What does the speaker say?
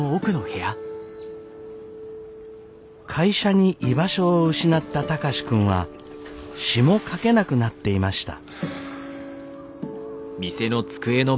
会社に居場所を失った貴司君は詩も書けなくなっていました。